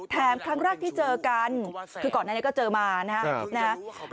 ครั้งแรกที่เจอกันคือก่อนหน้านี้ก็เจอมานะครับ